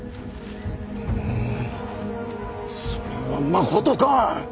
ぬうそれはまことか！？